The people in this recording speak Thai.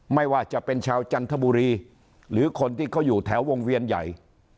ไม่ว่าจะเป็นชาวจันทบุรีหรือคนที่เขาอยู่แถววงเวียนใหญ่